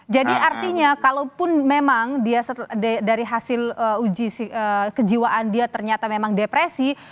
jadi artinya kalaupun memang dari hasil uji kejiwaan dia ternyata memang depresi